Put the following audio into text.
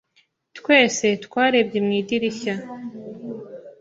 Twese twarebye mu idirishya.